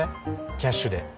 キャッシュで。